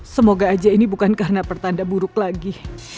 semoga aja ini bukan karena pertanda buruk lagi